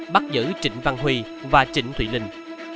bắt giữ trịnh văn huy và trịnh thụy ninh